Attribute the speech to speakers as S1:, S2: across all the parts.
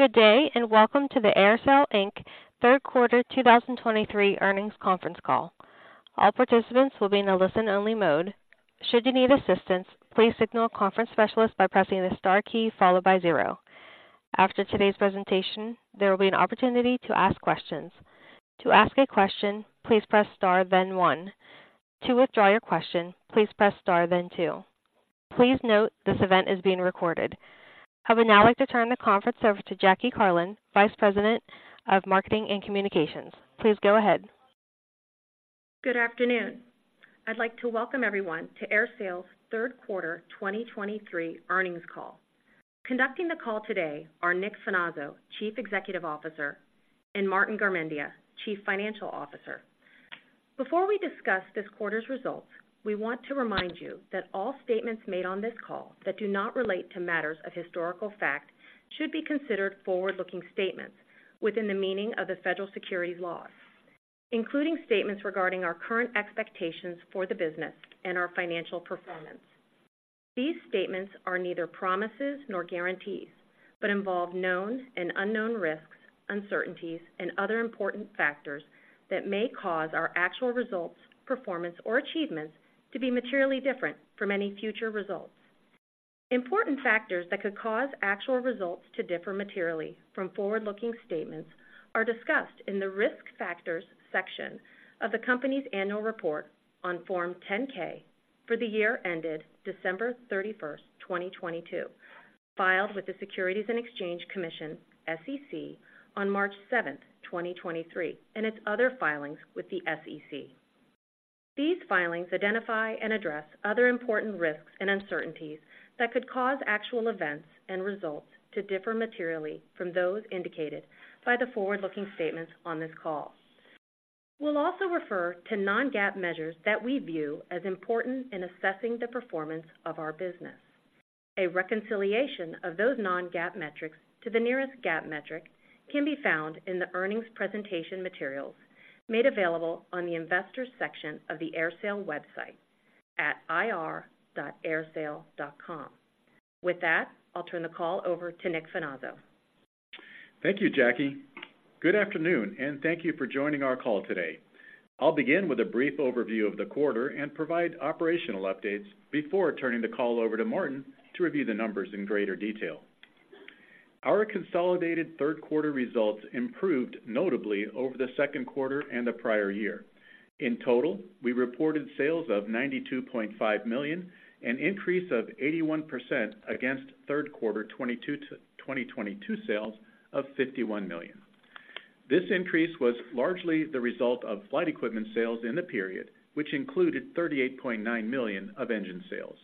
S1: Good day, and welcome to the AerSale Inc. third quarter 2023 earnings conference call. All participants will be in a listen-only mode. Should you need assistance, please signal a conference specialist by pressing the star key followed by zero. After today's presentation, there will be an opportunity to ask questions. To ask a question, please press star, then one. To withdraw your question, please press star, then two. Please note, this event is being recorded. I would now like to turn the conference over to Jackie Carlon, Vice President of Marketing and Communications. Please go ahead.
S2: Good afternoon. I'd like to welcome everyone to AerSale's third quarter 2023 earnings call. Conducting the call today are Nick Finazzo, Chief Executive Officer, and Martin Garmendia, Chief Financial Officer. Before we discuss this quarter's results, we want to remind you that all statements made on this call that do not relate to matters of historical fact should be considered forward-looking statements within the meaning of the federal securities laws, including statements regarding our current expectations for the business and our financial performance. These statements are neither promises nor guarantees, but involve known and unknown risks, uncertainties, and other important factors that may cause our actual results, performance, or achievements to be materially different from any future results. Important factors that could cause actual results to differ materially from forward-looking statements are discussed in the Risk Factors section of the company's annual report on Form 10-K for the year ended December 31, 2022, filed with the Securities and Exchange Commission, SEC, on March 7, 2023, and its other filings with the SEC. These filings identify and address other important risks and uncertainties that could cause actual events and results to differ materially from those indicated by the forward-looking statements on this call. We'll also refer to non-GAAP measures that we view as important in assessing the performance of our business. A reconciliation of those non-GAAP metrics to the nearest GAAP metric can be found in the earnings presentation materials made available on the Investors section of the AerSale website at ir.aersale.com. With that, I'll turn the call over to Nick Finazzo.
S3: Thank you, Jackie. Good afternoon, and thank you for joining our call today. I'll begin with a brief overview of the quarter and provide operational updates before turning the call over to Martin to review the numbers in greater detail. Our consolidated third quarter results improved notably over the second quarter and the prior year. In total, we reported sales of $92.5 million, an increase of 81% against third quarter 2022 sales of $51 million. This increase was largely the result of flight equipment sales in the period, which included $38.9 million of engine sales.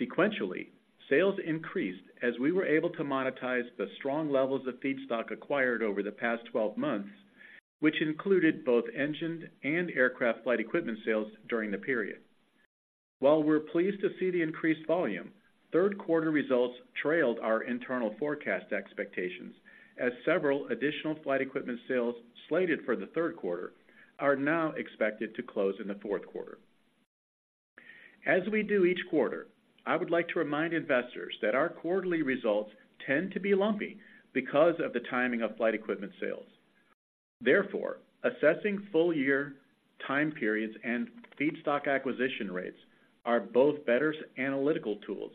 S3: Sequentially, sales increased as we were able to monetize the strong levels of feedstock acquired over the past 12 months, which included both engine and aircraft flight equipment sales during the period. While we're pleased to see the increased volume, third quarter results trailed our internal forecast expectations, as several additional flight equipment sales slated for the third quarter are now expected to close in the fourth quarter. As we do each quarter, I would like to remind investors that our quarterly results tend to be lumpy because of the timing of flight equipment sales. Therefore, assessing full-year time periods and feedstock acquisition rates are both better analytical tools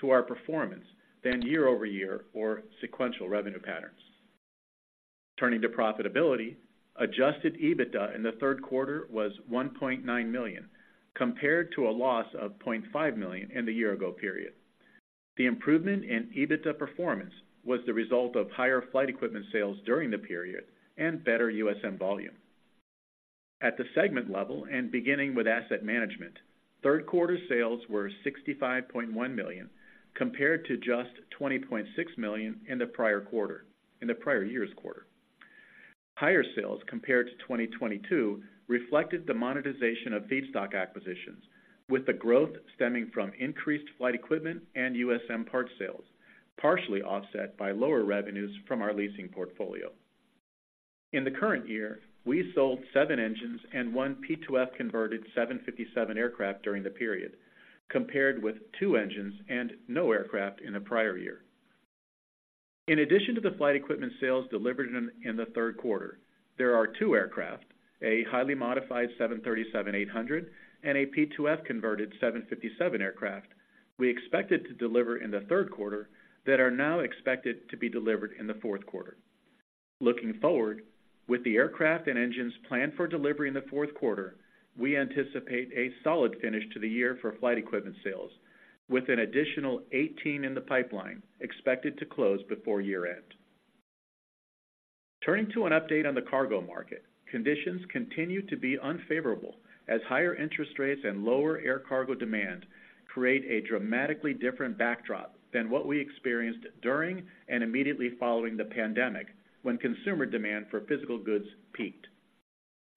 S3: to our performance than year-over-year or sequential revenue patterns. Turning to profitability, Adjusted EBITDA in the third quarter was $1.9 million, compared to a loss of $0.5 million in the year-ago period. The improvement in EBITDA performance was the result of higher flight equipment sales during the period and better USM volume. At the segment level, and beginning with Asset Management, third quarter sales were $65.1 million, compared to just $20.6 million in the prior quarter, in the prior year's quarter. Higher sales compared to 2022 reflected the monetization of feedstock acquisitions, with the growth stemming from increased flight equipment and USM parts sales, partially offset by lower revenues from our leasing portfolio. In the current year, we sold seven engines and one P2F-converted 757 aircraft during the period, compared with two engines and no aircraft in the prior year. In addition to the flight equipment sales delivered in the third quarter, there are two aircraft, a highly modified 737-800 and a P2F-converted 757 aircraft we expected to deliver in the third quarter that are now expected to be delivered in the fourth quarter. Looking forward, with the aircraft and engines planned for delivery in the fourth quarter, we anticipate a solid finish to the year for flight equipment sales, with an additional 18 in the pipeline expected to close before year-end. Turning to an update on the cargo market, conditions continue to be unfavorable as higher interest rates and lower air cargo demand create a dramatically different backdrop than what we experienced during and immediately following the pandemic, when consumer demand for physical goods peaked.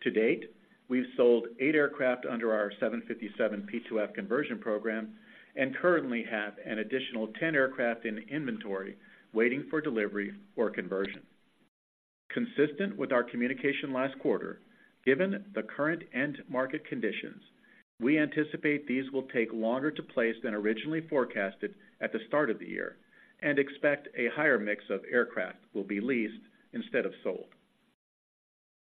S3: To date, we've sold 8 aircraft under our 757 P2F conversion program and currently have an additional 10 aircraft in inventory waiting for delivery or conversion. Consistent with our communication last quarter, given the current end market conditions, we anticipate these will take longer to place than originally forecasted at the start of the year, and expect a higher mix of aircraft will be leased instead of sold.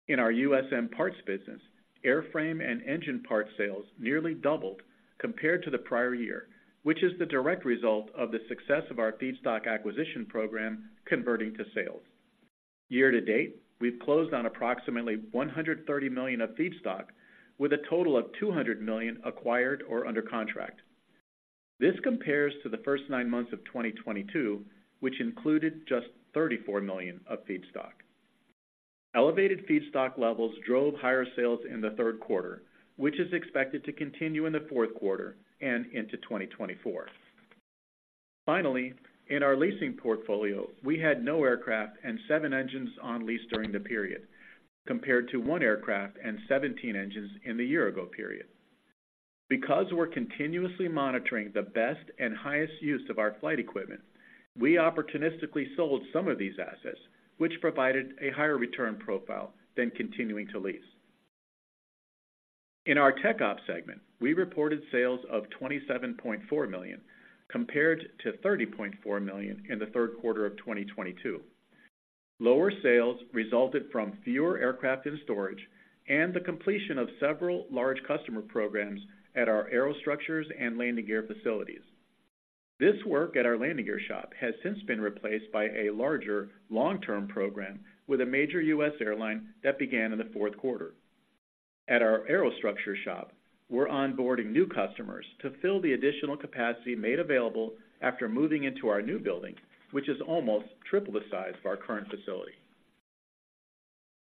S3: In our USM Parts business, airframe and engine part sales nearly doubled compared to the prior year, which is the direct result of the success of our feedstock acquisition program converting to sales. Year-to-date, we've closed on approximately $130 million of feedstock, with a total of $200 million acquired or under contract. This compares to the first nine months of 2022, which included just $34 million of feedstock. Elevated feedstock levels drove higher sales in the third quarter, which is expected to continue in the fourth quarter and into 2024. Finally, in our leasing portfolio, we had no aircraft and 7 engines on lease during the period, compared to 1 aircraft and 17 engines in the year-ago period. Because we're continuously monitoring the best and highest use of our flight equipment, we opportunistically sold some of these assets, which provided a higher return profile than continuing to lease. In our TechOps segment, we reported sales of $27.4 million, compared to $30.4 million in the third quarter of 2022. Lower sales resulted from fewer aircraft in storage and the completion of several large customer programs at our aerostructures and landing gear facilities. This work at our landing gear shop has since been replaced by a larger, long-term program with a major U.S. airline that began in the fourth quarter. At our Aerostructures shop, we're onboarding new customers to fill the additional capacity made available after moving into our new building, which is almost triple the size of our current facility.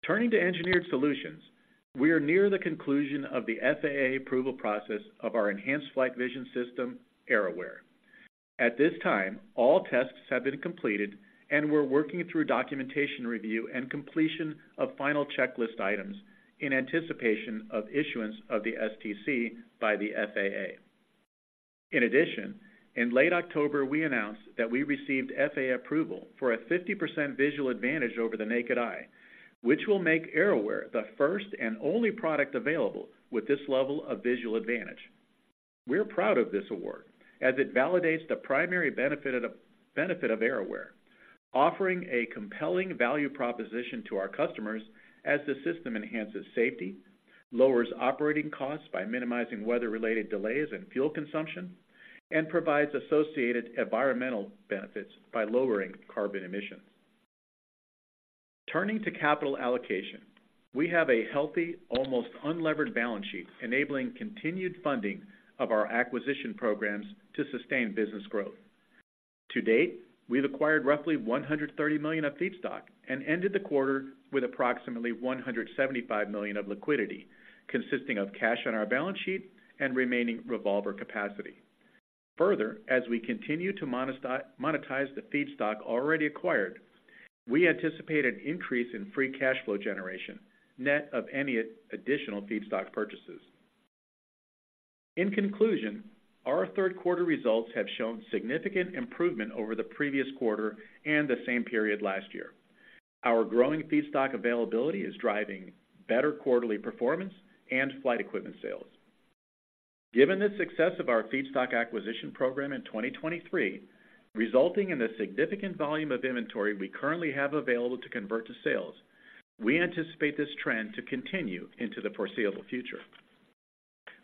S3: Turning to Engineered Solutions, we are near the conclusion of the FAA approval process of our enhanced flight vision system, AerAware. At this time, all tests have been completed and we're working through documentation review and completion of final checklist items in anticipation of issuance of the STC by the FAA. In addition, in late October, we announced that we received FAA approval for a 50% visual advantage over the naked eye, which will make AerAware the first and only product available with this level of visual advantage. We're proud of this award as it validates the primary benefit of AerAware, offering a compelling value proposition to our customers as the system enhances safety, lowers operating costs by minimizing weather-related delays and fuel consumption, and provides associated environmental benefits by lowering carbon emissions. Turning to capital allocation, we have a healthy, almost unlevered balance sheet, enabling continued funding of our acquisition programs to sustain business growth. To date, we've acquired roughly $130 million of feedstock and ended the quarter with approximately $175 million of liquidity, consisting of cash on our balance sheet and remaining revolver capacity. Further, as we continue to monetize the feedstock already acquired, we anticipate an increase in free cash flow generation, net of any additional feedstock purchases. In conclusion, our third quarter results have shown significant improvement over the previous quarter and the same period last year. Our growing feedstock availability is driving better quarterly performance and flight equipment sales. Given the success of our feedstock acquisition program in 2023, resulting in the significant volume of inventory we currently have available to convert to sales, we anticipate this trend to continue into the foreseeable future.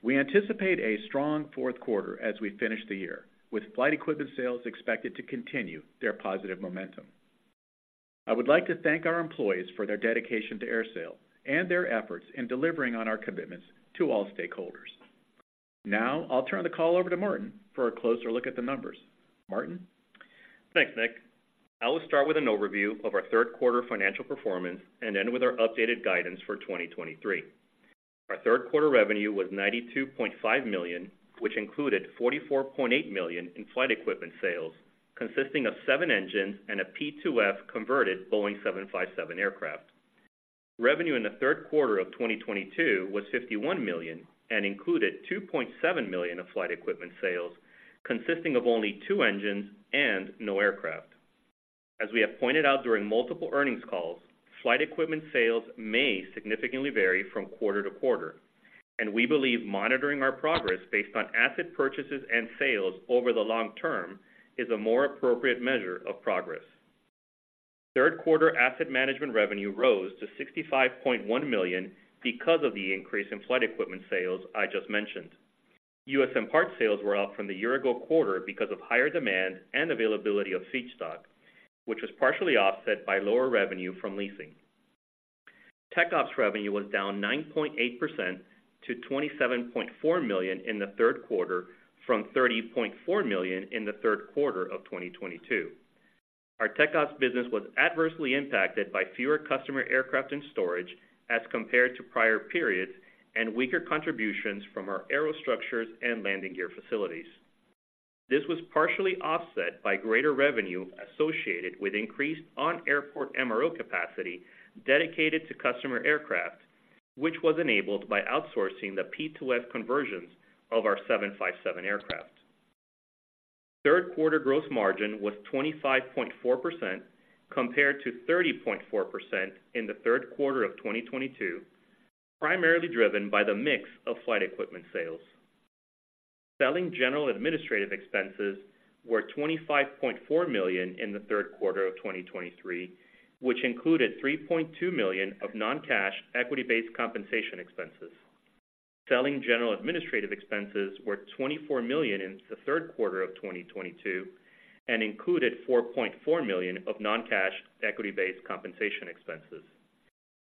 S3: We anticipate a strong fourth quarter as we finish the year, with flight equipment sales expected to continue their positive momentum. I would like to thank our employees for their dedication to AerSale and their efforts in delivering on our commitments to all stakeholders. Now, I'll turn the call over to Martin for a closer look at the numbers. Martin?
S4: Thanks, Nick. I will start with an overview of our third quarter financial performance and end with our updated guidance for 2023. Our third quarter revenue was $92.5 million, which included $44.8 million in flight equipment sales, consisting of 7 engines and a P2F converted Boeing 757 aircraft. Revenue in the third quarter of 2022 was $51 million and included $2.7 million of flight equipment sales, consisting of only 2 engines and no aircraft. As we have pointed out during multiple earnings calls, flight equipment sales may significantly vary from quarter to quarter, and we believe monitoring our progress based on asset purchases and sales over the long term is a more appropriate measure of progress. Third quarter Asset Management revenue rose to $65.1 million because of the increase in flight equipment sales I just mentioned. USM parts sales were up from the year-ago quarter because of higher demand and availability of feedstock, which was partially offset by lower revenue from leasing. TechOps revenue was down 9.8% to $27.4 million in the third quarter, from $30.4 million in the third quarter of 2022. Our TechOps business was adversely impacted by fewer customer aircraft in storage as compared to prior periods and weaker contributions from our Aerostructures and landing gear facilities. This was partially offset by greater revenue associated with increased on-airport MRO capacity dedicated to customer aircraft, which was enabled by outsourcing the P2F conversions of our 757 aircraft.... Third quarter gross margin was 25.4%, compared to 30.4% in the third quarter of 2022, primarily driven by the mix of flight equipment sales. Selling general administrative expenses were $25.4 million in the third quarter of 2023, which included $3.2 million of non-cash equity-based compensation expenses. Selling general administrative expenses were $24 million in the third quarter of 2022, and included $4.4 million of non-cash equity-based compensation expenses.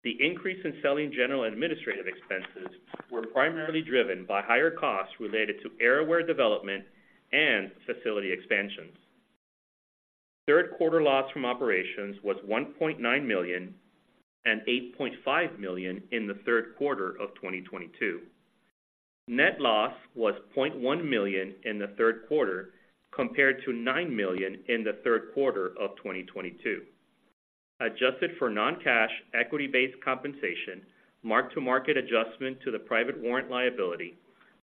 S4: The increase in selling general administrative expenses were primarily driven by higher costs related to AerAware development and facility expansions. Third quarter loss from operations was $1.9 million and $8.5 million in the third quarter of 2022. Net loss was $0.1 million in the third quarter, compared to $9 million in the third quarter of 2022. Adjusted for non-cash equity-based compensation, mark-to-market adjustment to the private warrant liability,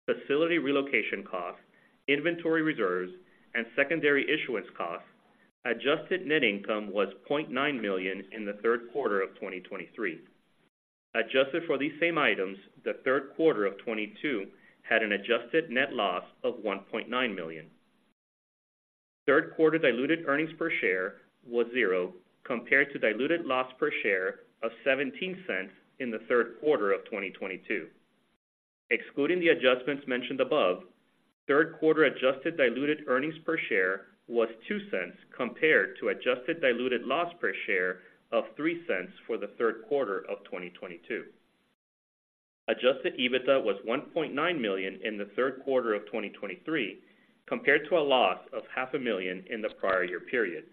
S4: facility relocation costs, inventory reserves, and secondary issuance costs, adjusted net income was $0.9 million in the third quarter of 2023. Adjusted for these same items, the third quarter of 2022 had an adjusted net loss of $1.9 million. Third quarter diluted earnings per share was $0.00, compared to diluted loss per share of $0.17 in the third quarter of 2022. Excluding the adjustments mentioned above, third quarter adjusted diluted earnings per share was $0.02, compared to adjusted diluted loss per share of $0.03 for the third quarter of 2022. Adjusted EBITDA was $1.9 million in the third quarter of 2023, compared to a loss of $0.5 million in the prior year period.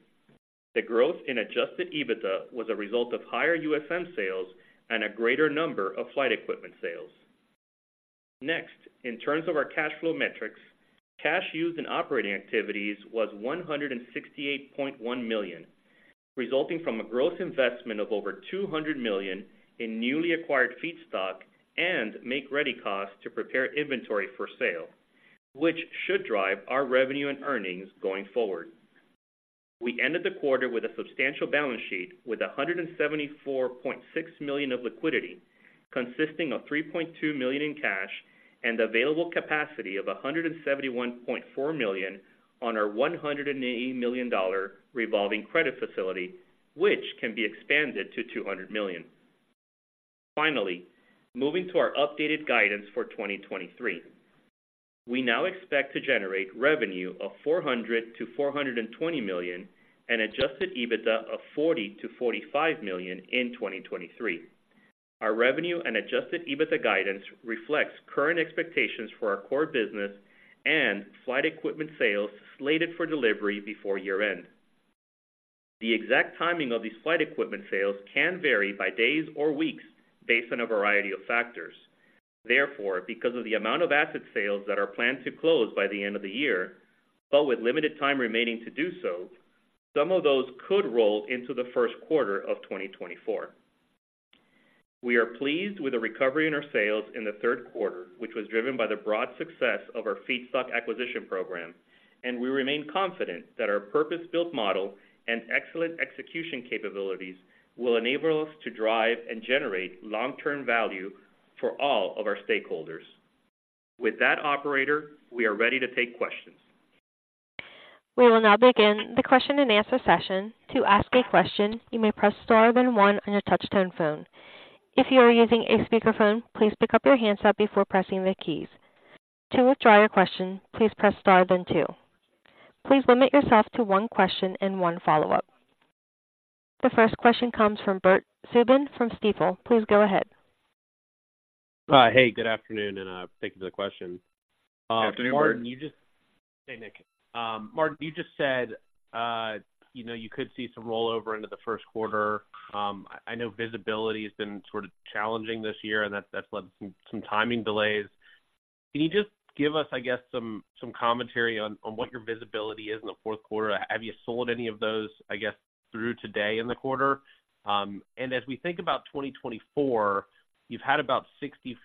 S4: The growth in adjusted EBITDA was a result of higher USM sales and a greater number of flight equipment sales. Next, in terms of our cash flow metrics, cash used in operating activities was $168.1 million, resulting from a gross investment of over $200 million in newly acquired feedstock and make-ready costs to prepare inventory for sale, which should drive our revenue and earnings going forward. We ended the quarter with a substantial balance sheet, with $174.6 million of liquidity, consisting of $3.2 million in cash and available capacity of $171.4 million on our $180 million revolving credit facility, which can be expanded to $200 million. Finally, moving to our updated guidance for 2023. We now expect to generate revenue of $400 million-$420 million and Adjusted EBITDA of $40 million-$45 million in 2023. Our revenue and Adjusted EBITDA guidance reflects current expectations for our core business and flight equipment sales slated for delivery before year-end. The exact timing of these flight equipment sales can vary by days or weeks based on a variety of factors. Therefore, because of the amount of asset sales that are planned to close by the end of the year, but with limited time remaining to do so, some of those could roll into the first quarter of 2024. We are pleased with the recovery in our sales in the third quarter, which was driven by the broad success of our feedstock acquisition program, and we remain confident that our purpose-built model and excellent execution capabilities will enable us to drive and generate long-term value for all of our stakeholders. With that, operator, we are ready to take questions.
S1: We will now begin the question-and-answer session. To ask a question, you may press star then one on your touchtone phone. If you are using a speakerphone, please pick up your handset before pressing the keys. To withdraw your question, please press star then two. Please limit yourself to one question and one follow-up. The first question comes from Bert Subin from Stifel. Please go ahead.
S5: Hey, good afternoon, and thank you for the question.
S3: Good afternoon, Bert.
S5: Hey, Nick. Martin, you just said, you know, you could see some rollover into the first quarter. I know visibility has been sort of challenging this year, and that's, that's led to some, some timing delays. Can you just give us, I guess, some, some commentary on, on what your visibility is in the fourth quarter? Have you sold any of those, I guess, through today in the quarter? And as we think about 2024, you've had about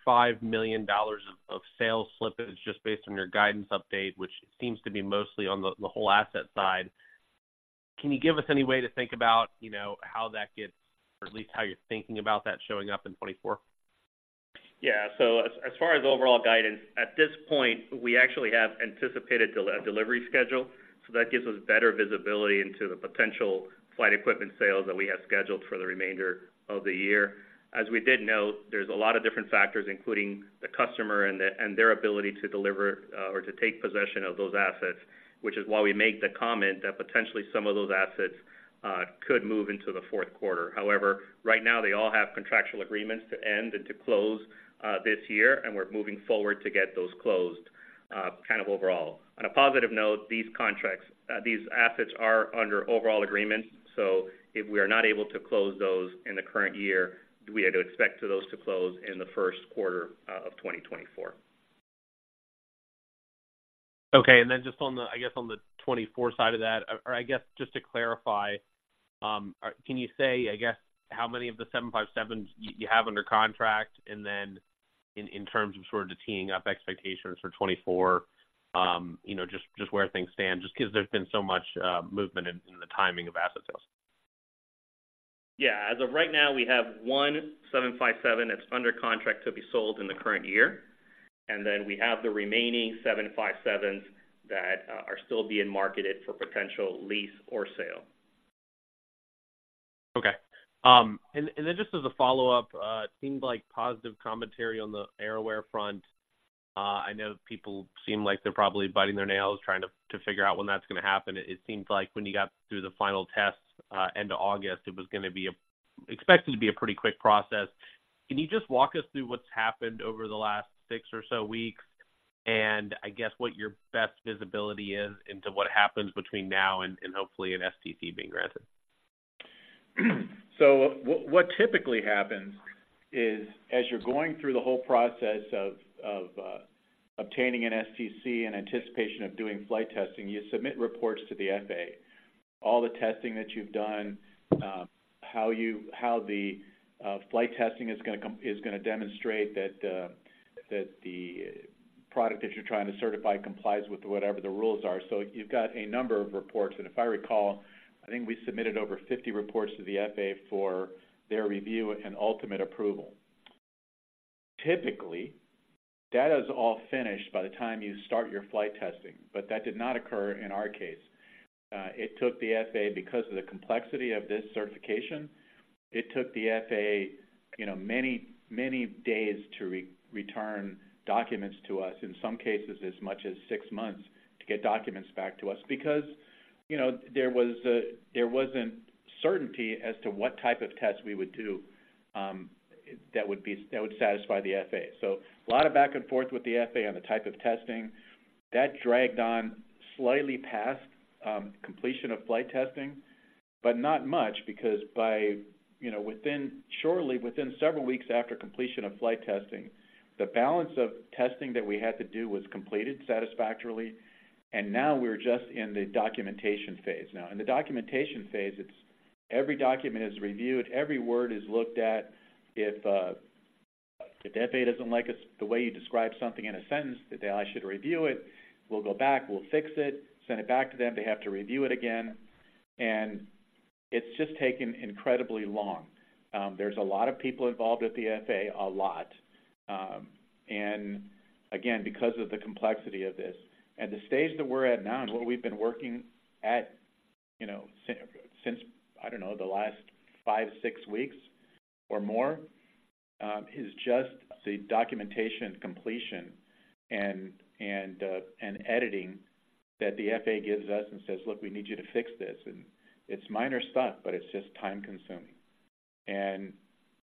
S5: $65 million of, of sales slippage just based on your guidance update, which seems to be mostly on the, the whole asset side. Can you give us any way to think about, you know, how that gets, or at least how you're thinking about that showing up in 2024?
S4: Yeah. So as far as overall guidance, at this point, we actually have anticipated delivery schedule, so that gives us better visibility into the potential flight equipment sales that we have scheduled for the remainder of the year. As we did note, there's a lot of different factors, including the customer and their ability to deliver, or to take possession of those assets, which is why we make the comment that potentially some of those assets could move into the fourth quarter. However, right now, they all have contractual agreements to end and to close this year, and we're moving forward to get those closed, kind of overall. On a positive note, these contracts... These assets are under overall agreements, so if we are not able to close those in the current year, we are to expect those to close in the first quarter of 2024.
S5: Okay. And then just on the, I guess, on the 2024 side of that, or I guess, just to clarify, can you say, I guess, how many of the 757s you have under contract? And then in terms of sort of teeing up expectations for 2024, you know, just, just where things stand, just because there's been so much movement in the timing of asset sales.
S4: Yeah. As of right now, we have one 757 that's under contract to be sold in the current year, and then we have the remaining 757s that are still being marketed for potential lease or sale.
S5: Okay. And then just as a follow-up, it seemed like positive commentary on the AerAware front. I know people seem like they're probably biting their nails trying to figure out when that's going to happen. It seems like when you got through the final test, end of August, it was going to be expected to be a pretty quick process. Can you just walk us through what's happened over the last six or so weeks? And I guess what your best visibility is into what happens between now and hopefully an STC being granted.
S3: So what, what typically happens is, as you're going through the whole process of, of, obtaining an STC in anticipation of doing flight testing, you submit reports to the FAA. All the testing that you've done, how the flight testing is gonna demonstrate that the product that you're trying to certify complies with whatever the rules are. So you've got a number of reports, and if I recall, I think we submitted over 50 reports to the FAA for their review and ultimate approval. Typically, that is all finished by the time you start your flight testing, but that did not occur in our case. It took the FAA, because of the complexity of this certification, it took the FAA, you know, many, many days to return documents to us, in some cases as much as six months, to get documents back to us. Because, you know, there wasn't certainty as to what type of tests we would do, that would satisfy the FAA. So a lot of back and forth with the FAA on the type of testing. That dragged on slightly past completion of flight testing, but not much, because by, you know, shortly, within several weeks after completion of flight testing, the balance of testing that we had to do was completed satisfactorily, and now we're just in the documentation phase. Now, in the documentation phase, it's every document is reviewed, every word is looked at. If the FAA doesn't like us, the way you describe something in a sentence, that they should review it, we'll go back, we'll fix it, send it back to them. They have to review it again, and it's just taken incredibly long. There's a lot of people involved at the FAA, a lot, and again, because of the complexity of this. At the stage that we're at now, and what we've been working at, you know, since, I don't know, the last 5, 6 weeks or more, is just the documentation, completion, and editing that the FAA gives us and says: "Look, we need you to fix this." And it's minor stuff, but it's just time-consuming.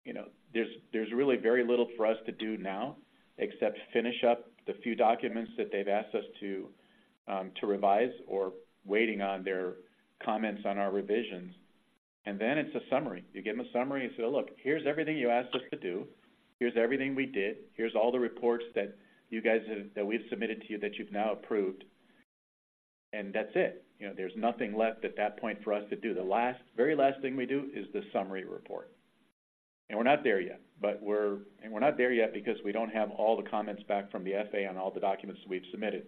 S3: You know, there's really very little for us to do now except finish up the few documents that they've asked us to to revise or waiting on their comments on our revisions. And then it's a summary. You give them a summary and say: "Look, here's everything you asked us to do. Here's everything we did. Here's all the reports that we've submitted to you, that you've now approved," and that's it. You know, there's nothing left at that point for us to do. The last, very last thing we do is the summary report. And we're not there yet, but we're not there yet because we don't have all the comments back from the FAA on all the documents we've submitted,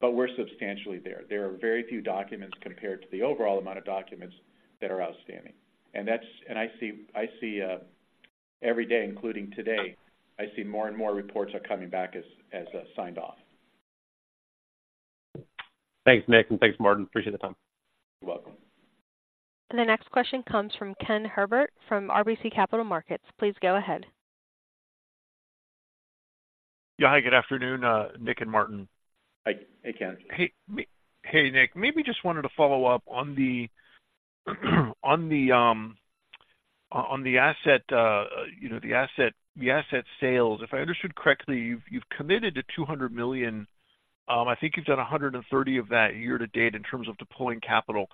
S3: but we're substantially there. There are very few documents compared to the overall amount of documents that are outstanding. And I see, I see, every day, including today, I see more and more reports are coming back as signed off.
S5: Thanks, Nick, and thanks, Martin. Appreciate the time.
S3: You're welcome.
S1: The next question comes from Ken Herbert from RBC Capital Markets. Please go ahead.
S6: Yeah. Hi, good afternoon, Nick and Martin.
S3: Hi. Hey, Ken.
S6: Hey, Nick. Maybe just wanted to follow up on the asset, you know, the asset sales. If I understood correctly, you've committed to $200 million. I think you've done $130 million of that year to date in terms of deploying capital.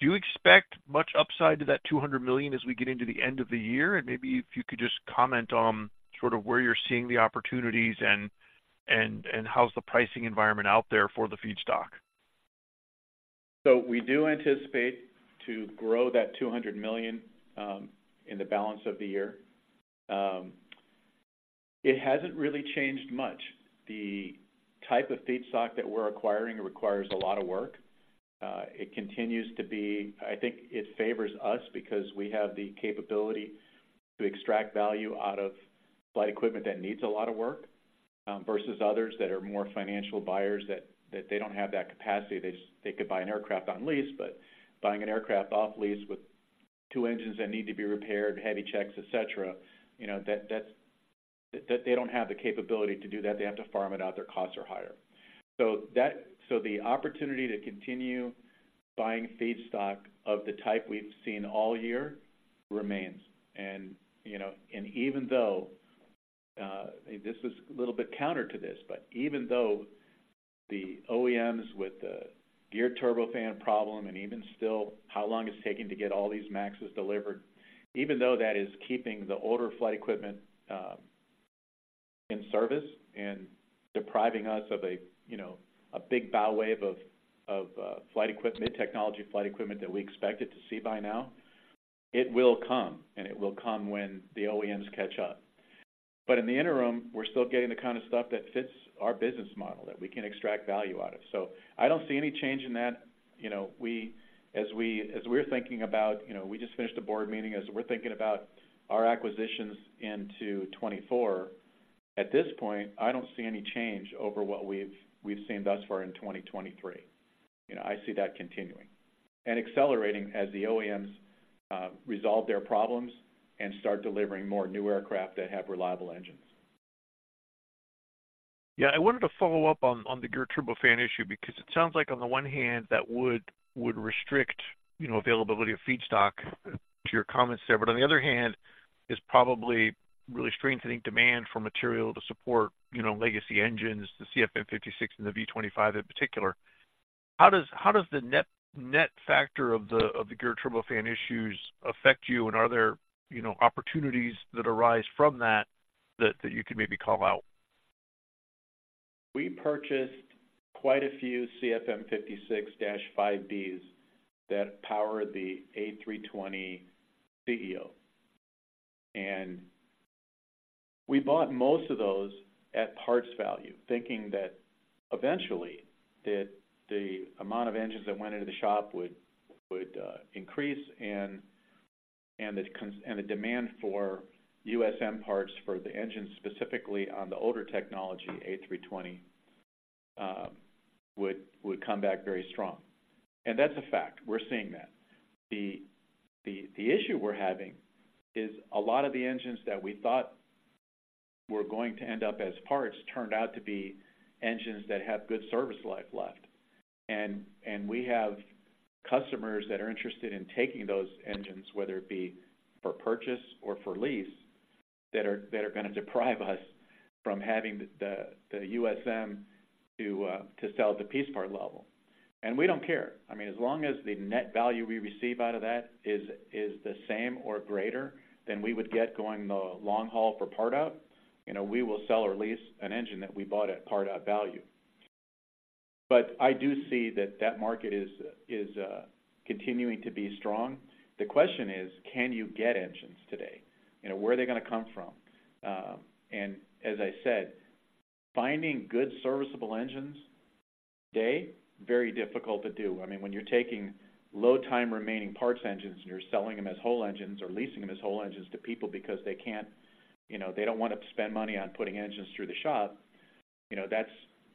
S6: Do you expect much upside to that $200 million as we get into the end of the year? And maybe if you could just comment on sort of where you're seeing the opportunities and how's the pricing environment out there for the feedstock?
S3: So we do anticipate to grow that $200 million in the balance of the year. It hasn't really changed much. The type of feedstock that we're acquiring requires a lot of work. It continues to be... I think it favors us because we have the capability to extract value out of flight equipment that needs a lot of work, versus others that are more financial buyers, that they don't have that capacity. They just they could buy an aircraft on lease, but buying an aircraft off lease with two engines that need to be repaired, heavy checks, et cetera, you know, that they don't have the capability to do that. They have to farm it out. Their costs are higher. So that so the opportunity to continue buying feedstock of the type we've seen all year remains. You know, and even though this is a little bit counter to this, but even though the OEMs with the Geared Turbofan problem, and even still, how long it's taking to get all these MAXs delivered, even though that is keeping the older flight equipment in service and depriving us of a, you know, a big bow wave of flight equipment, mid-technology flight equipment that we expected to see by now. It will come, and it will come when the OEMs catch up. But in the interim, we're still getting the kind of stuff that fits our business model, that we can extract value out of. So I don't see any change in that. You know, as we're thinking about, you know, we just finished a board meeting, as we're thinking about our acquisitions into 2024, at this point, I don't see any change over what we've seen thus far in 2023. You know, I see that continuing and accelerating as the OEMs resolve their problems and start delivering more new aircraft that have reliable engines.
S6: Yeah, I wanted to follow up on the Geared Turbofan issue, because it sounds like on the one hand, that would restrict, you know, availability of feedstock, to your comments there, but on the other hand, is probably really strengthening demand for material to support, you know, legacy engines, the CFM56 and the V2500 in particular. How does the net factor of the Geared Turbofan issues affect you? And are there, you know, opportunities that arise from that that you can maybe call out?
S3: We purchased quite a few CFM56-5Bs that power the A320 CEO. And we bought most of those at parts value, thinking that eventually, that the amount of engines that went into the shop would, would, increase, and, and the demand for USM parts for the engine, specifically on the older technology, A320, would, would come back very strong. And that's a fact. We're seeing that. The issue we're having is a lot of the engines that we thought were going to end up as parts turned out to be engines that have good service life left. And we have customers that are interested in taking those engines, whether it be for purchase or for lease, that are gonna deprive us from having the USM to sell at the piece part level. And we don't care. I mean, as long as the net value we receive out of that is the same or greater than we would get going the long haul for part-out, you know, we will sell or lease an engine that we bought at part-out value. But I do see that market is continuing to be strong. The question is, can you get engines today? You know, where are they gonna come from? And as I said, finding good serviceable engines today, very difficult to do. I mean, when you're taking low time remaining parts engines, and you're selling them as whole engines or leasing them as whole engines to people because they can't, you know, they don't want to spend money on putting engines through the shop, you know, that's,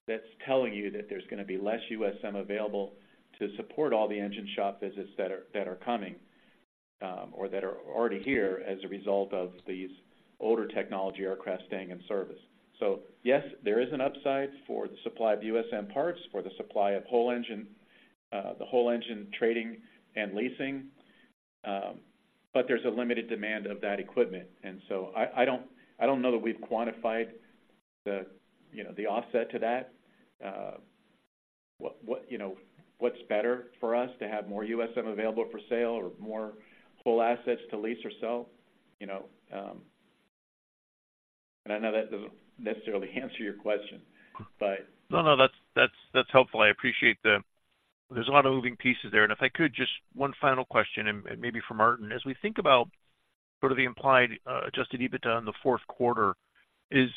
S3: that's telling you that there's gonna be less USM available to support all the engine shop visits that are, that are coming, or that are already here as a result of these older technology aircraft staying in service. So yes, there is an upside for the supply of USM parts, for the supply of whole engine, the whole engine trading and leasing, but there's a limited demand of that equipment. And so I, I don't, I don't know that we've quantified the, you know, the offset to that. What, what... You know, what's better for us to have more USM available for sale or more whole assets to lease or sell, you know? I know that doesn't necessarily answer your question, but-
S6: No, no, that's helpful. I appreciate the, there's a lot of moving pieces there. If I could, just one final question, maybe for Martin. As we think about sort of the implied Adjusted EBITDA in the fourth quarter, is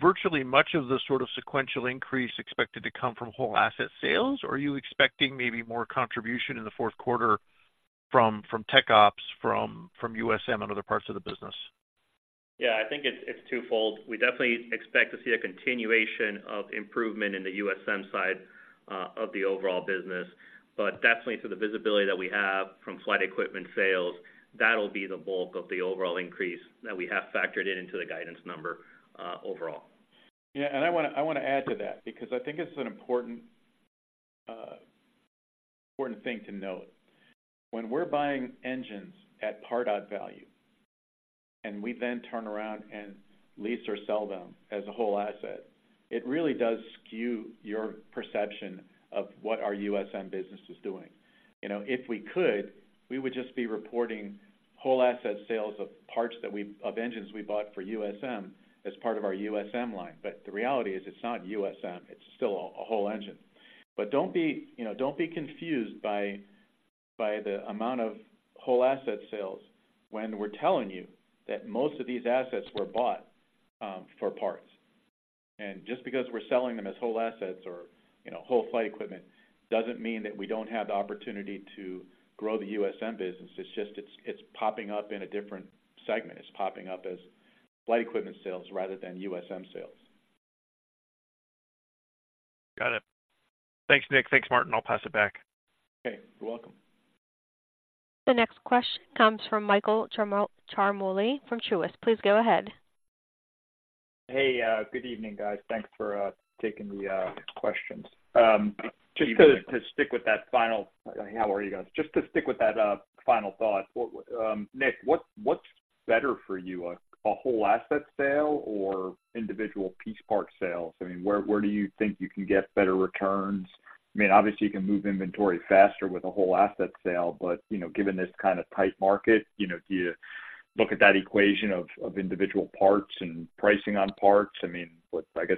S6: virtually much of the sort of sequential increase expected to come from whole asset sales, or are you expecting maybe more contribution in the fourth quarter from TechOps, from USM and other parts of the business?
S4: Yeah, I think it's twofold. We definitely expect to see a continuation of improvement in the USM side of the overall business, but definitely to the visibility that we have from flight equipment sales, that'll be the bulk of the overall increase that we have factored into the guidance number, overall.
S3: Yeah, and I wanna add to that because I think it's an important thing to note. When we're buying engines at part-out value, and we then turn around and lease or sell them as a whole asset, it really does skew your perception of what our USM business is doing. You know, if we could, we would just be reporting whole asset sales of engines we bought for USM as part of our USM line. But the reality is, it's not USM, it's still a whole engine. But don't be, you know, don't be confused by the amount of whole asset sales when we're telling you that most of these assets were bought for parts. And just because we're selling them as whole assets or, you know, whole flight equipment, doesn't mean that we don't have the opportunity to grow the USM business. It's just, it's popping up in a different segment. It's popping up as flight equipment sales rather than USM sales.
S6: Got it. Thanks, Nick. Thanks, Martin. I'll pass it back.
S3: Okay, you're welcome.
S1: The next question comes from Michael Ciarmoli from Truist. Please go ahead.
S7: Hey, good evening, guys. Thanks for taking the questions. Just to stick with that final—How are you guys? Just to stick with that final thought, what, Nick, what's better for you, a whole asset sale or individual piece part sales? I mean, where do you think you can get better returns? I mean, obviously you can move inventory faster with a whole asset sale, but, you know, given this kind of tight market, you know, do you look at that equation of individual parts and pricing on parts? I mean, what—I guess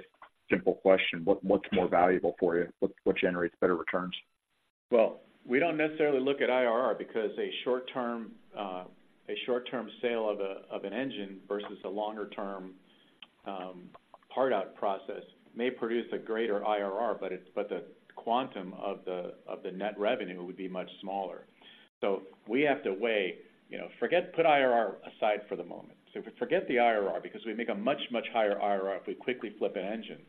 S7: simple question: What's more valuable for you? What generates better returns?
S3: Well, we don't necessarily look at IRR because a short-term, a short-term sale of a, of an engine versus a longer-term, part-out process may produce a greater IRR, but it, but the quantum of the, of the net revenue would be much smaller. So we have to weigh, you know, forget, put IRR aside for the moment. So forget the IRR, because we make a much, much higher IRR if we quickly flip an engine.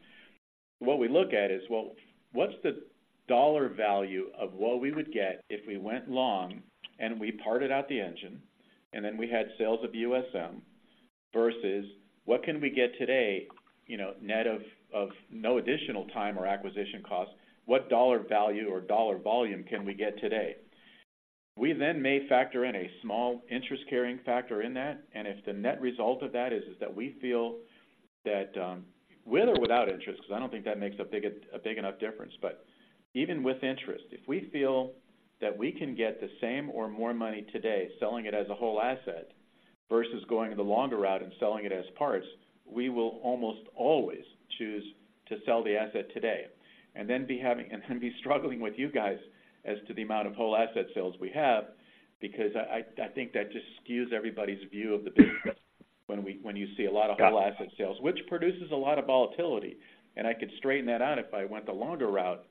S3: What we look at is, well, what's the dollar value of what we would get if we went long and we parted out the engine, and then we had sales of USM, versus what can we get today, you know, net of, of no additional time or acquisition costs? What dollar value or dollar volume can we get today? We then may factor in a small interest-carrying factor in that, and if the net result of that is that we feel that, with or without interest, because I don't think that makes a big enough difference. But even with interest, if we feel that we can get the same or more money today selling it as a whole asset versus going the longer route and selling it as parts, we will almost always choose to sell the asset today, and then be struggling with you guys as to the amount of whole asset sales we have, because I think that just skews everybody's view of the business when you see a lot of whole asset sales, which produces a lot of volatility. I could straighten that out if I went the longer route,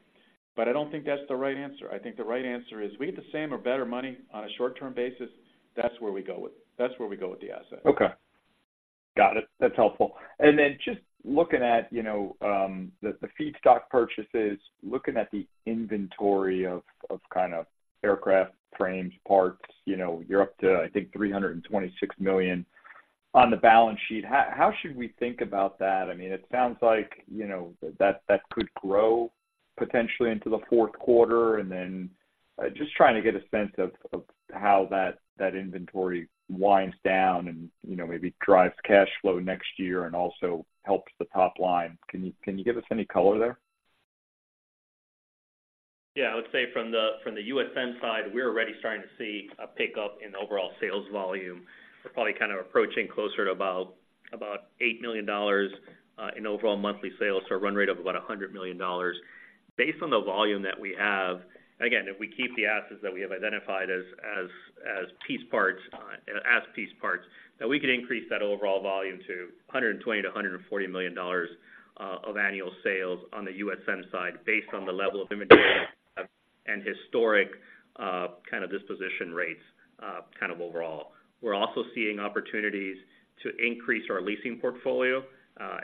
S3: but I don't think that's the right answer. I think the right answer is we get the same or better money on a short-term basis. That's where we go with, that's where we go with the asset.
S7: Okay. Got it. That's helpful. Then just looking at, you know, the feedstock purchases, looking at the inventory of kind of aircraft frames, parts, you know, you're up to, I think, $326 million on the balance sheet. How should we think about that? I mean, it sounds like, you know, that could grow potentially into the fourth quarter. Then just trying to get a sense of how that inventory winds down and, you know, maybe drives cash flow next year and also helps the top line. Can you give us any color there?
S3: Yeah, I would say from the USM side, we're already starting to see a pickup in overall sales volume. We're probably kind of approaching closer to about $8 million in overall monthly sales, so a run rate of about $100 million. Based on the volume that we have, again, if we keep the assets that we have identified as piece parts, that we could increase that overall volume to $120 million-$140 million of annual sales on the USM side, based on the level of inventory and historic kind of disposition rates kind of overall. We're also seeing opportunities to increase our leasing portfolio,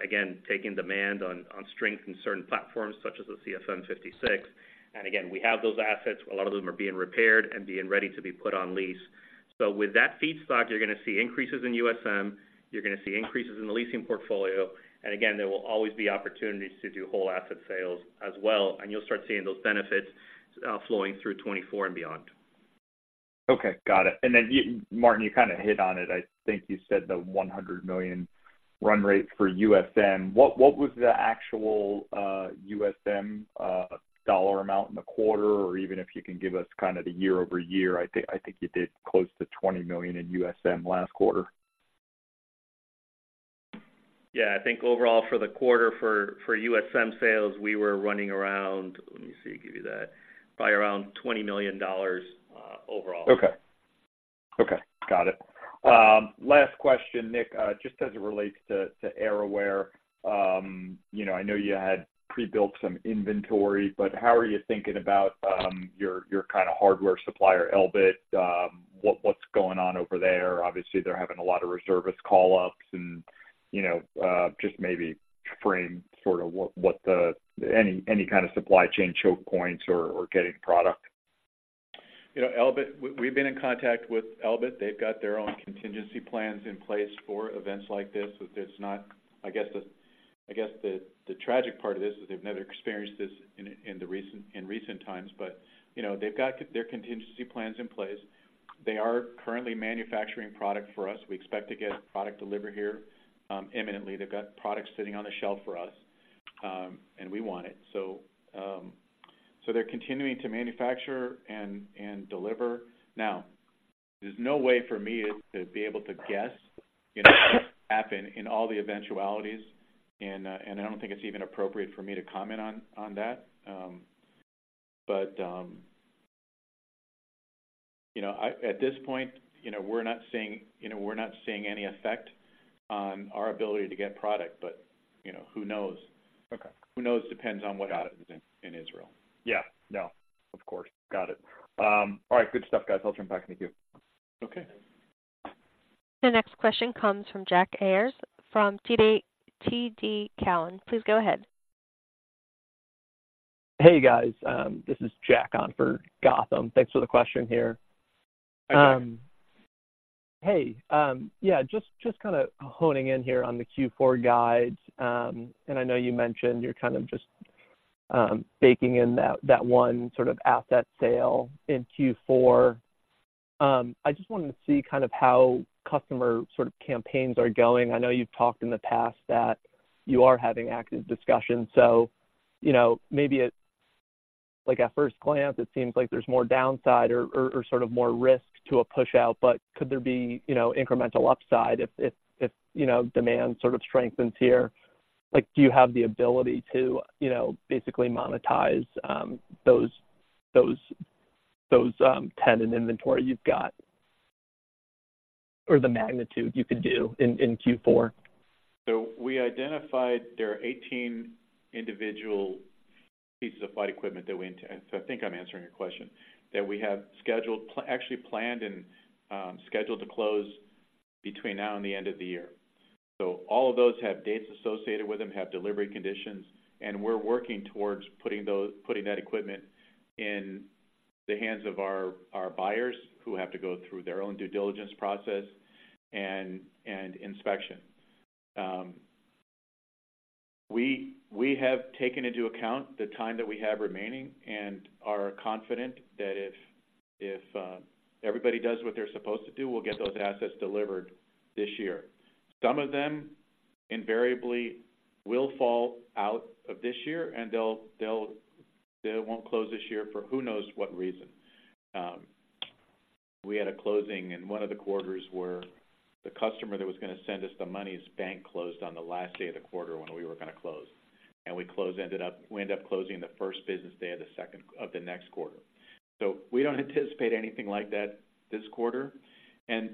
S3: again, taking demand on strength in certain platforms, such as the CFM56. And again, we have those assets. A lot of them are being repaired and being ready to be put on lease. So with that feedstock, you're gonna see increases in USM, you're gonna see increases in the leasing portfolio, and again, there will always be opportunities to do whole asset sales as well, and you'll start seeing those benefits, flowing through 2024 and beyond.
S7: Okay, got it. And then you, Martin, you kind of hit on it. I think you said the $100 million run rate for USM. What, what was the actual USM dollar amount in the quarter? Or even if you can give us kind of the year-over-year. I think, I think you did close to $20 million in USM last quarter.
S4: Yeah, I think overall for the quarter, for USM sales, we were running around... Let me see, give you that. Probably around $20 million overall.
S7: Okay. Okay, got it. Last question, Nick, just as it relates to AerAware. You know, I know you had prebuilt some inventory, but how are you thinking about your kind of hardware supplier, Elbit? What’s going on over there? Obviously, they’re having a lot of reservice call-ups and, you know, just maybe frame sort of what the—any kind of supply chain choke points or getting product.
S3: You know, Elbit, we've been in contact with Elbit. They've got their own contingency plans in place for events like this. So there's not... I guess the tragic part of this is they've never experienced this in recent times, but, you know, they've got their contingency plans in place. They are currently manufacturing product for us. We expect to get product delivered here imminently. They've got product sitting on the shelf for us, and we want it. So, so they're continuing to manufacture and deliver. Now, there's no way for me to be able to guess, you know, happen in all the eventualities, and I don't think it's even appropriate for me to comment on that. But, you know, at this point, you know, we're not seeing, you know, we're not seeing any effect on our ability to get product, but, you know, who knows?
S7: Okay.
S3: Who knows? Depends on what happens in Israel.
S7: Yeah. No, of course. Got it. All right, good stuff, guys. I'll jump back with you.
S3: Okay.
S1: The next question comes from Jack Ayers from TD Cowen. Please go ahead.
S8: Hey, guys, this is Jack on for Gautam. Thanks for the question here.
S3: Hi, Jack.
S8: Hey, yeah, just kind of honing in here on the Q4 guide, and I know you mentioned you're kind of just baking in that one sort of asset sale in Q4. I just wanted to see kind of how customer sort of campaigns are going. I know you've talked in the past that you are having active discussions, so, you know, maybe like, at first glance, it seems like there's more downside or sort of more risk to a push-out, but could there be, you know, incremental upside if, you know, demand sort of strengthens here? Like, do you have the ability to, you know, basically monetize those 10 in inventory you've got? Or the magnitude you could do in Q4?
S3: So we identified there are 18 individual pieces of flight equipment that we intend. So I think I'm answering your question, that we have scheduled, actually planned and scheduled to close between now and the end of the year. So all of those have dates associated with them, have delivery conditions, and we're working towards putting that equipment in the hands of our buyers, who have to go through their own due diligence process and inspection. We have taken into account the time that we have remaining and are confident that if everybody does what they're supposed to do, we'll get those assets delivered this year. Some of them invariably will fall out of this year, and they'll, they won't close this year for who knows what reason. We had a closing in one of the quarters where the customer that was going to send us the money, his bank closed on the last day of the quarter when we were going to close. We ended up closing the first business day of the next quarter. So we don't anticipate anything like that this quarter. And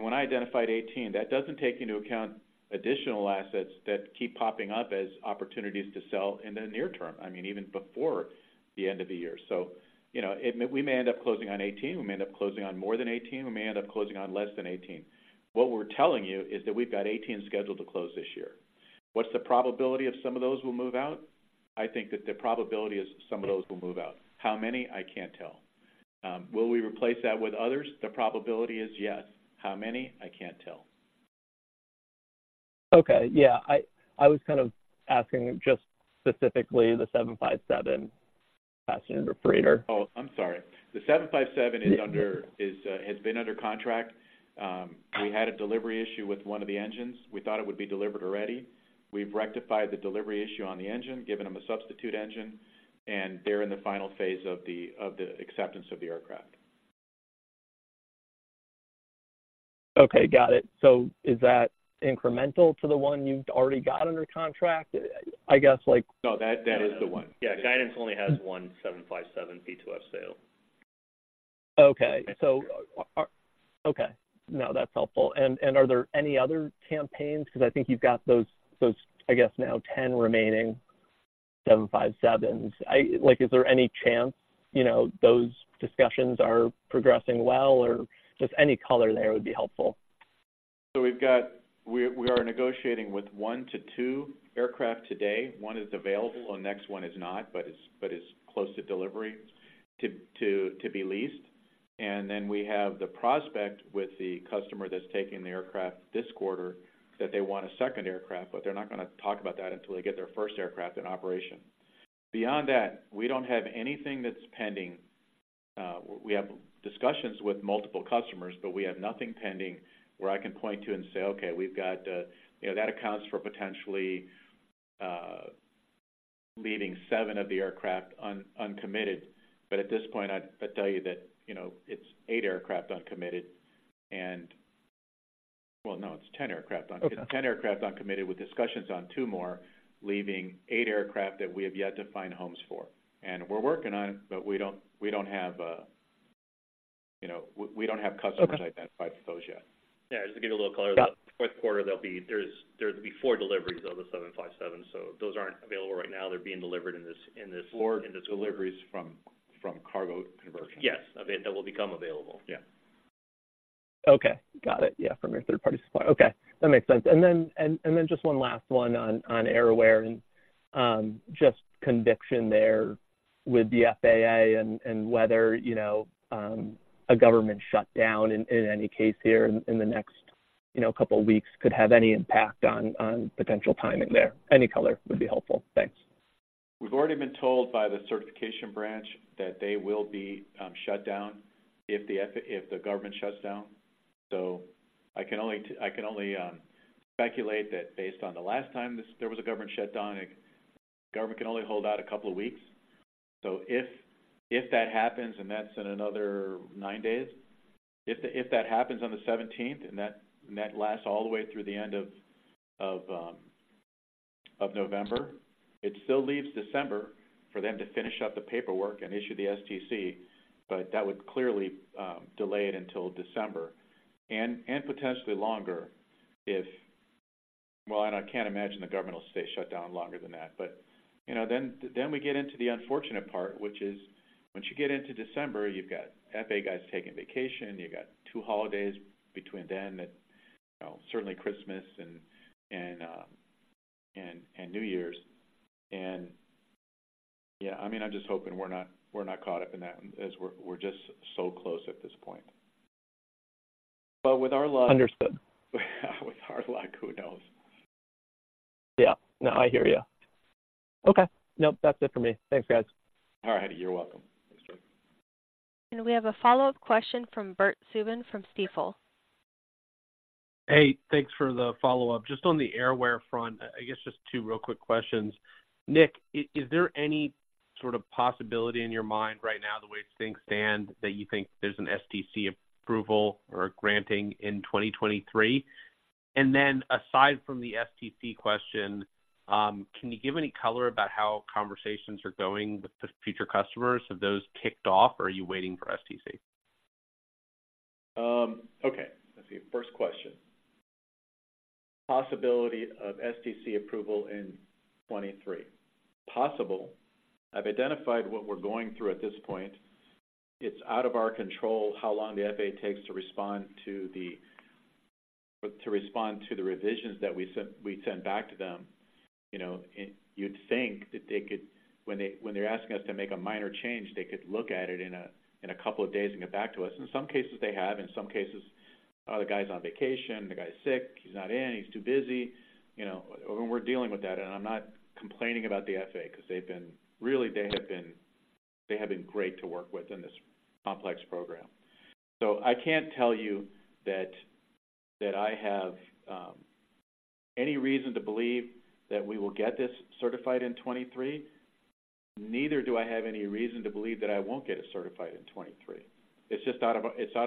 S3: when I identified 18, that doesn't take into account additional assets that keep popping up as opportunities to sell in the near term, I mean, even before the end of the year. So, you know, it, we may end up closing on 18, we may end up closing on more than 18, we may end up closing on less than 18. What we're telling you is that we've got 18 scheduled to close this year. What's the probability of some of those will move out? I think that the probability is some of those will move out. How many? I can't tell. Will we replace that with others? The probability is yes. How many? I can't tell.
S8: Okay. Yeah, I was kind of asking just specifically the 757 passenger freighter.
S3: Oh, I'm sorry. The 757 is under-
S8: Yeah.
S3: It has been under contract. We had a delivery issue with one of the engines. We thought it would be delivered already. We've rectified the delivery issue on the engine, given them a substitute engine, and they're in the final phase of the acceptance of the aircraft.
S8: Okay, got it. So is that incremental to the one you've already got under contract? I guess, like-
S3: No, that is the one. Yeah. Guidance only has one 757 P2F sale.
S8: Okay. So, okay, no, that's helpful. And are there any other campaigns? Because I think you've got those, I guess now 10 remaining 757s. Like, is there any chance, you know, those discussions are progressing well, or just any color there would be helpful.
S3: So we've got we are negotiating with 1-2 aircraft today. One is available, the next one is not, but is close to delivery to be leased. And then we have the prospect with the customer that's taking the aircraft this quarter, that they want a second aircraft, but they're not going to talk about that until they get their first aircraft in operation. Beyond that, we don't have anything that's pending. We have discussions with multiple customers, but we have nothing pending where I can point to and say, "Okay, we've got..." You know, that accounts for potentially leaving 7 of the aircraft uncommitted. But at this point, I'd tell you that, you know, it's 8 aircraft uncommitted, and... Well, no, it's 10 aircraft uncommitted.
S8: Okay.
S3: 10 aircraft uncommitted, with discussions on 2 more, leaving 8 aircraft that we have yet to find homes for. And we're working on, but we don't, we don't have, you know, we, we don't have customers-
S8: Okay.
S3: - identified for those yet.
S4: Yeah, just to give you a little color.
S8: Got-
S4: Fourth quarter, there'll be four deliveries of the 757. So those aren't available right now. They're being delivered in this. Four deliveries from cargo conversion.
S3: Yes. That will become available.
S4: Yeah.
S8: Okay, got it. Yeah, from your third-party supplier. Okay, that makes sense. And then just one last one on AerAware, and just conviction there with the FAA and whether, you know, a government shutdown in any case here in the next couple weeks could have any impact on potential timing there. Any color would be helpful. Thanks.
S3: We've already been told by the certification branch that they will be shut down if the government shuts down. So I can only speculate that based on the last time there was a government shutdown, the government can only hold out a couple of weeks. So if that happens, and that's in another 9 days, if that happens on the seventeenth, and that lasts all the way through the end of November, it still leaves December for them to finish up the paperwork and issue the STC, but that would clearly delay it until December and potentially longer if... Well, and I can't imagine the government will stay shut down longer than that. But, you know, then we get into the unfortunate part, which is, once you get into December, you've got FAA guys taking vacation, you've got two holidays between then, you know, certainly Christmas and New Year's. And, yeah, I mean, I'm just hoping we're not caught up in that as we're just so close at this point. But with our luck-
S8: Understood.
S3: With our luck, who knows?
S8: Yeah. No, I hear you. Okay. Nope, that's it for me. Thanks, guys.
S3: All right. You're welcome....
S1: And we have a follow-up question from Bert Subin from Stifel.
S5: Hey, thanks for the follow-up. Just on the AerAware front, I guess just two real quick questions. Nick, is there any sort of possibility in your mind right now, the way things stand, that you think there's an STC approval or granting in 2023? And then aside from the STC question, can you give any color about how conversations are going with the future customers? Have those kicked off, or are you waiting for STC?
S3: Okay, let's see. First question: possibility of STC approval in 2023. Possible. I've identified what we're going through at this point. It's out of our control how long the FAA takes to respond to the revisions that we send back to them. You know, and you'd think that they could, when they're asking us to make a minor change, look at it in a couple of days and get back to us. In some cases, they have. In some cases, oh, the guy's on vacation, the guy's sick, he's not in, he's too busy. You know, we're dealing with that, and I'm not complaining about the FAA because they've been... Really, they have been great to work with in this complex program. So I can't tell you that that I have any reason to believe that we will get this certified in 2023. Neither do I have any reason to believe that I won't get it certified in 2023. It's just out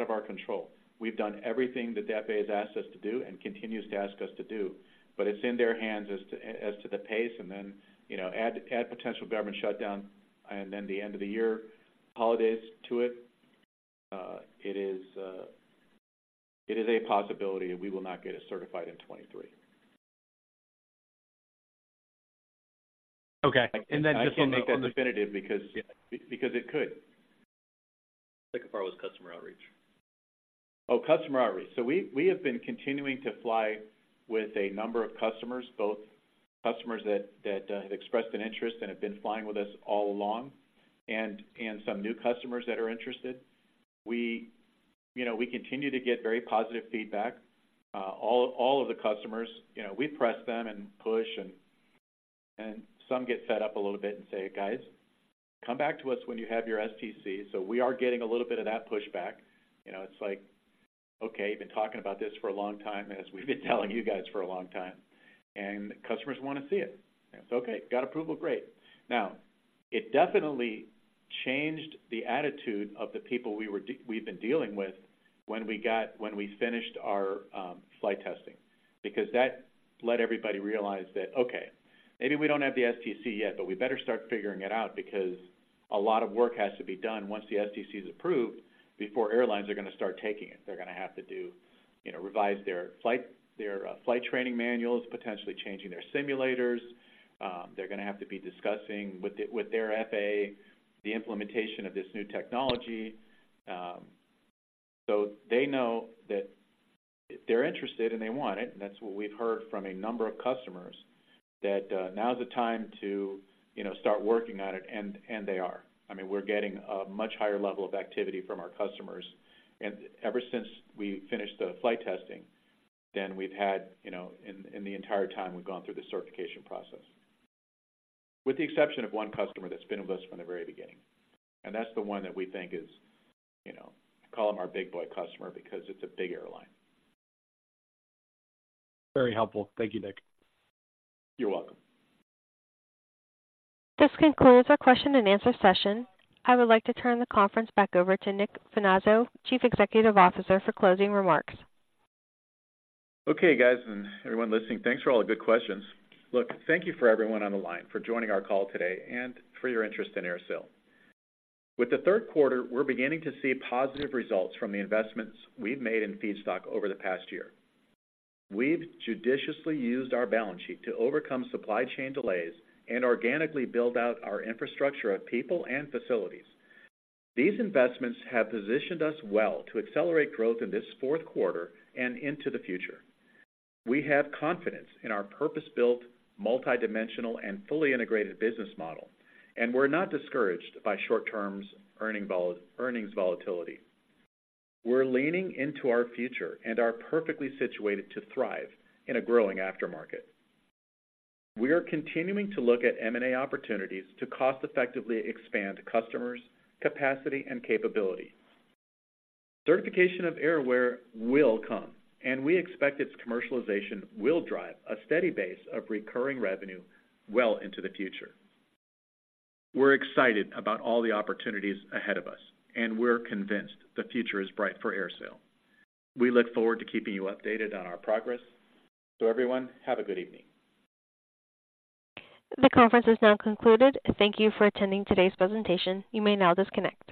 S3: of our control. We've done everything that the FAA has asked us to do and continues to ask us to do, but it's in their hands as to the pace and then, you know, add potential government shutdown and then the end of the year holidays to it. It is a possibility that we will not get it certified in 2023.
S5: Okay. And then just-
S3: I can't make that definitive because it could.
S4: Second part was customer outreach.
S3: Oh, customer outreach. So we have been continuing to fly with a number of customers, both customers that have expressed an interest and have been flying with us all along and some new customers that are interested. We, you know, we continue to get very positive feedback. All of the customers, you know, we press them and push and some get fed up a little bit and say, "Guys, come back to us when you have your STC." So we are getting a little bit of that pushback. You know, it's like, okay, you've been talking about this for a long time, as we've been telling you guys for a long time, and customers want to see it. And it's okay, got approval, great. Now, it definitely changed the attitude of the people we've been dealing with when we got, when we finished our flight testing, because that let everybody realize that, okay, maybe we don't have the STC yet, but we better start figuring it out because a lot of work has to be done once the STC is approved before airlines are going to start taking it. They're going to have to do, you know, revise their flight, their flight training manuals, potentially changing their simulators. They're going to have to be discussing with the, with their FAA, the implementation of this new technology. So they know that they're interested and they want it, and that's what we've heard from a number of customers, that now is the time to, you know, start working on it, and they are. I mean, we're getting a much higher level of activity from our customers. And ever since we finished the flight testing, then we've had, you know, in the entire time we've gone through the certification process, with the exception of one customer that's been with us from the very beginning. And that's the one that we think is, you know, call them our big boy customer because it's a big airline.
S5: Very helpful. Thank you, Nick.
S3: You're welcome.
S1: This concludes our question and answer session. I would like to turn the conference back over to Nick Finazzo, Chief Executive Officer, for closing remarks.
S3: Okay, guys, and everyone listening, thanks for all the good questions. Look, thank you for everyone on the line for joining our call today and for your interest in AerSale. With the third quarter, we're beginning to see positive results from the investments we've made in feedstock over the past year. We've judiciously used our balance sheet to overcome supply chain delays and organically build out our infrastructure of people and facilities. These investments have positioned us well to accelerate growth in this fourth quarter and into the future. We have confidence in our purpose-built, multi-dimensional, and fully integrated business model, and we're not discouraged by short-term earnings volatility. We're leaning into our future and are perfectly situated to thrive in a growing aftermarket. We are continuing to look at M&A opportunities to cost effectively expand customers, capacity, and capability. Certification of AerAware will come, and we expect its commercialization will drive a steady base of recurring revenue well into the future. We're excited about all the opportunities ahead of us, and we're convinced the future is bright for AerSale. We look forward to keeping you updated on our progress. So everyone, have a good evening.
S1: The conference is now concluded. Thank you for attending today's presentation. You may now disconnect.